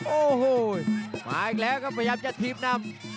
โอ้โหมาอีกแล้วครับพยายามจะถีบนำ